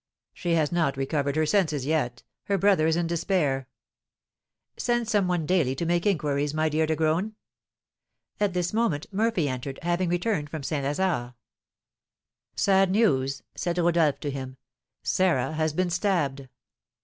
"She has not recovered her senses yet; her brother is in despair." "Send some one daily to make inquiries, my dear De Graün." At this moment Murphy entered, having returned from St. Lazare. "Sad news!" said Rodolph to him; "Sarah has been stabbed."